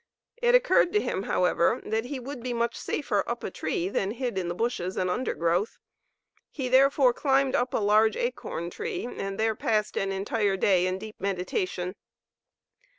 It occurred to him, however, that he would be much safer up a tree than hid in the bushes and undergrowth. He therefore climbed up a large acorn tree and there passed an entire day in deep meditation.